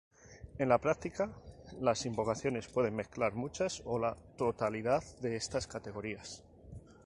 En la práctica, las invocaciones pueden mezclar muchas, o la totalidad, de estas categorías.